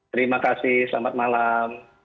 terima kasih selamat malam